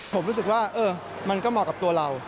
ผมรู้สึกว่ามันก็เหมาะกับตัวเรา